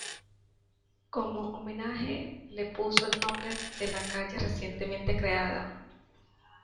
Como homenaje, le puso el nombre de la calle recientemente creada.